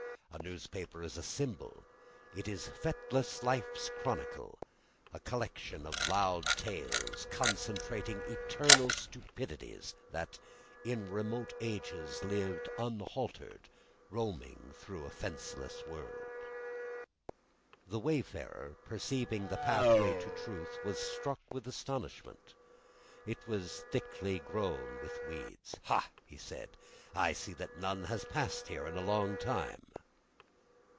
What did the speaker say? A newspaper is a symbol; It is fetless life's chronical, A collection of loud tales Concentrating eternal stupidities, That in remote ages lived unhaltered, Roaming through a fenceless world. The wayfarer, Perceiving the pathway to truth, Was struck with astonishment. It was thickly grown with weeds. "Ha," he said, "I see that none has passed here "In a long time."